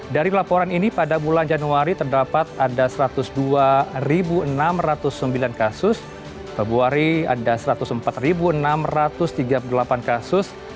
dari laporan ini pada bulan januari terdapat ada satu ratus dua enam ratus sembilan kasus februari ada satu ratus empat enam ratus tiga puluh delapan kasus